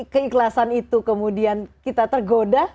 keikhlasan itu kemudian kita tergoda